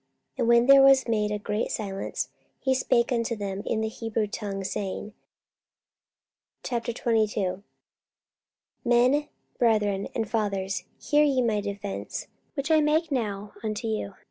And when there was made a great silence, he spake unto them in the Hebrew tongue, saying, 44:022:001 Men, brethren, and fathers, hear ye my defence which I make now unto you.